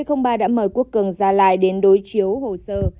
c ba đã mời quốc cường ra lại đến đối chiếu hồ sơ